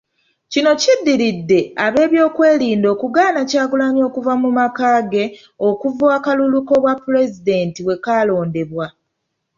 Kino kiddiridde ab'ebyokwerinda okugaana Kyagulanyi okuva mu maka ge okuva akalulu k'obwapulezidenti lwe kalondebwa.